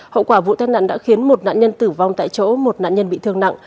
hậu quả vụ tai nạn đã khiến một nạn nhân tử vong tại chỗ một nạn nhân bị thương nặng